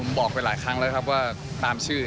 โอ้้ยบอกไปหลายครั้งแล้วครับตามชื่อค่ะ